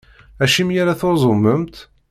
Acimi ara tuẓumemt?